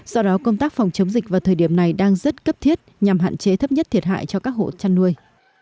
do đó công tác phòng chống dịch vào thời điểm này đang rất cấp thiết nhằm hạn chế thấp nhất thiệt hại cho các hộ chăn nuôi